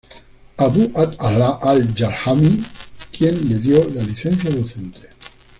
Abu Abd Allah al-Jawlami, quien le dio la licencia docente.